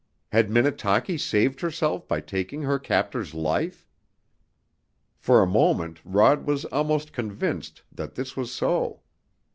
Had Minnetaki saved herself by taking her captor's life? For a moment Rod was almost convinced that this was so.